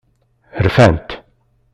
Rfant.